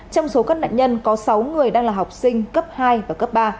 trong số các nạn nhân có sáu người đang là học sinh cấp hai và cấp ba